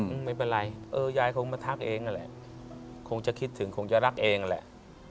ไม่เป็นไรเออยายคงมาทักเองนั่นแหละคงจะคิดถึงคงจะรักเองแหละ